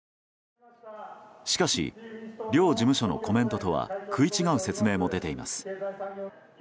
しかし、両事務所のコメントとは食い違う説明も出ています。